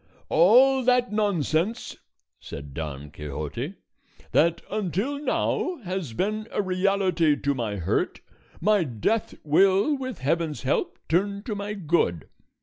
"All that nonsense," said Don Quixote, "that until now has been a reality to my hurt, my death will with heaven's help turn to my good.